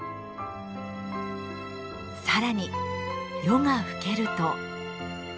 更に夜が更けると。